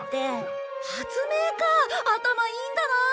発明か頭いいんだな。